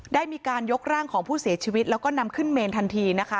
ได้มีการยกร่างของผู้เสียชีวิตแล้วก็นำขึ้นเมนทันทีนะคะ